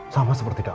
sama seperti dam